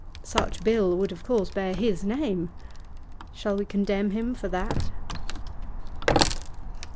Such Bill would of course bear his name; shall we condemn him for that?